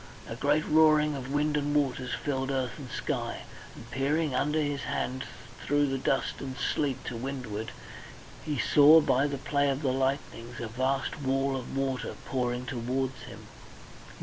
A great roaring of wind and waters filled earth and sky, and peering under his hand through the dust and sleet to windward, he saw by the play of the lightnings a vast wall of water pouring towards him.